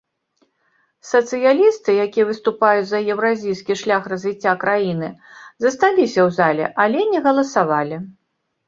Сацыялісты, якія выступаюць за еўразійскі шлях развіцця краіны, засталіся ў зале, але не галасавалі.